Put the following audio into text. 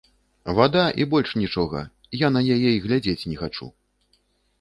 Вада, і больш нічога, я на яе і глядзець не хачу.